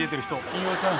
飯尾さん。